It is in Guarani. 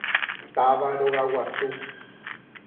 Táva rogaguasu.